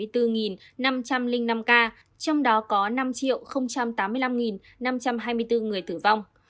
trong đó có năm tám mươi năm năm trăm hai mươi bốn người tử vong